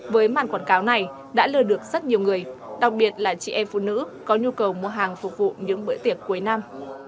với màn quảng cáo này đã lừa được rất nhiều người đặc biệt là chị em phụ nữ có nhu cầu mua hàng phục vụ những bữa tiệc cuối năm